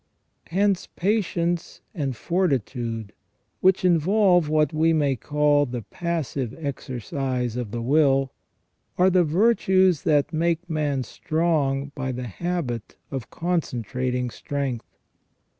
Hence patience and fortitude, which involve what we may call the passive exercise of the will, are the virtues that make man strong by the habit of concentrating strength.